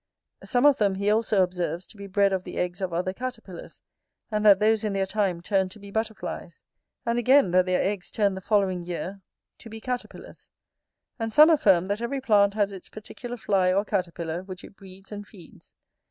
Some of them he also observes to be bred of the eggs of other caterpillars, and that those in their time turn to be butterflies; and again, that their eggs turn the following year to be caterpillars. And some affirm, that every plant has its particular fly or caterpillar, which it breeds and feeds.